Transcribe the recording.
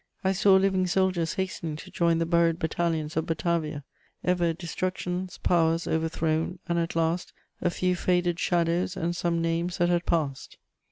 I saw living soldiers hastening to join the buried battalions of Batavia: ever destructions, powers overthrown; and, at last, a few faded shadows and some names that had passed.